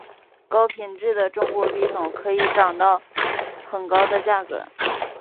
高品质的中国笔筒可以涨到很高的价格。